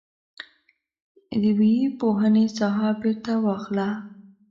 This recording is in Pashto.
د ويي پوهنې ساحه بیرته واخله.